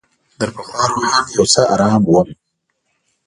تر پخوا روحاً یو څه آرام وم.